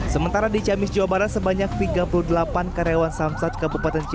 sementara di camis jawa barat sebanyak tiga puluh delapan karyawan samsat kebupaten jawa barat